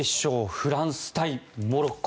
フランス対モロッコ